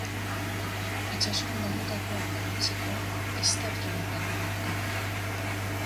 Itsasoan galdutakoak laguntzeko ez da fragatarik bidali behar.